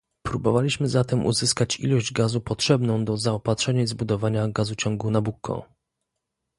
Próbowaliśmy zatem uzyskać ilość gazu potrzebną do zaopatrzenia i zbudowania gazociągu Nabucco